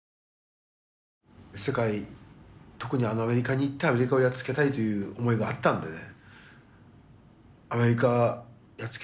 世界特にあのアメリカに行ってアメリカをやっつけたいという思いがあったんでね。